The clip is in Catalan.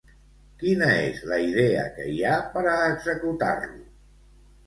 Quina és la idea que hi ha per a executar-lo?